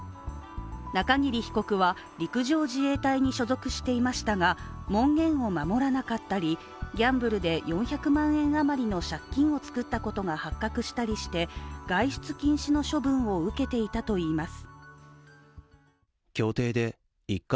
中桐被告は陸上自衛隊に所属していましたが、門限を守らなかったり、ギャンブルで４００万円あまりの借金を作ったことが発覚したりして外出禁止の処分を受けていたといいます。